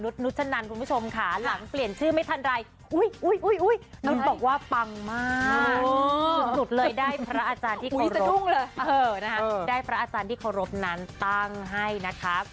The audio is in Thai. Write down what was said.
ได้พระอาจารย์ที่ขอรบนั้นตั้งให้นะครับ